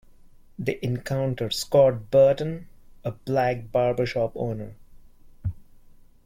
They encountered Scott Burton, a Black barbershop owner.